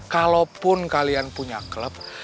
kalaupun kalian punya klub